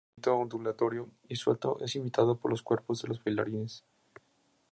Este movimiento ondulatorio y suelto es imitado por los cuerpos de los bailarines.